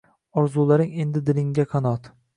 Orzularing endi dilingga qanot.